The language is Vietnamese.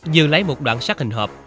dư lấy một đoạn sắt hình hợp